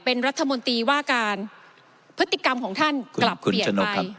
เป็นรัฐมนตรีว่าการพฤติกรรมของท่านกลับเปลี่ยนไปคุณคุณชนกครับ